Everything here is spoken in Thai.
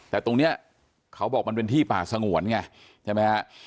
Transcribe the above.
แต่ตรงนี้เขาบอกมันเป็นที่ป่าสงวนไงใช่ไหมฮะ